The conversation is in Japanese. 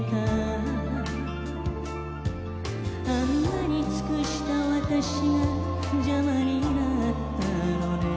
あんなに尽くした私が邪魔になったのね